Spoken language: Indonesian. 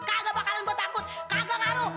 kakak bakalan gue takut kagak ngaruh